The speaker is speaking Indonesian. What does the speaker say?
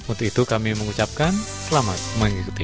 untuk itu kami mengucapkan selamat mengikuti